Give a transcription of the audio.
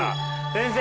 先生。